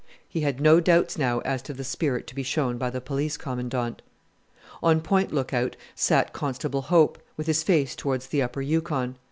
He had no doubts now as to the spirit to be shown by the Police Commandant. On Point Lookout sat Constable Hope, with his face towards the Upper Yukon.